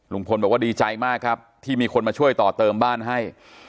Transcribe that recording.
ลุงพลบอกว่าดีใจมากครับที่มีคนมาช่วยต่อเติมบ้านให้